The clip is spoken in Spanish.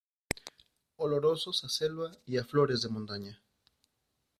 Olorosos a selva y a flores de montaña.